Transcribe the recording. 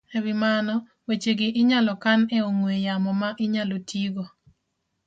E wi mano, wechegi inyalo kan e ong'we yamo ma inyalo tigo